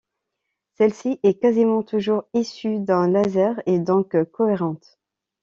Celle-ci est quasiment toujours issue d’un laser, et donc cohérente.